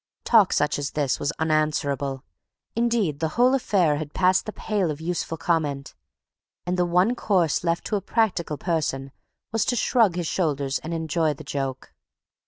Talk such as this was unanswerable; indeed, the whole affair had passed the pale of useful comment; and the one course left to a practical person was to shrug his shoulders and enjoy the joke.